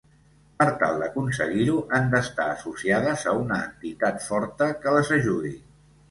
Per tal d'aconseguir-ho, han d'estar associades a una entitat forta que les ajudi.